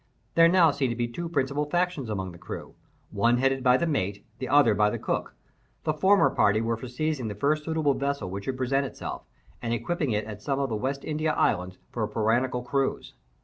There now seemed to be two principal factions among the crew—one headed by the mate, the other by the cook. The former party were for seizing the first suitable vessel which should present itself, and equipping it at some of the West India Islands for a piratical cruise.